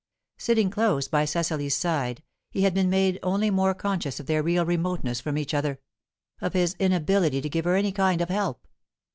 Sitting close by Cecily's side, he had been made only more conscious of their real remoteness from each other of his inability to give her any kind of help.